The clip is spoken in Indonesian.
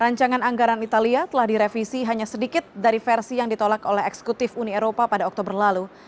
rancangan anggaran italia telah direvisi hanya sedikit dari versi yang ditolak oleh eksekutif uni eropa pada oktober lalu